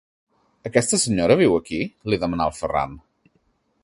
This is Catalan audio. Aquesta senyora viu aquí? –li demanà el Ferran.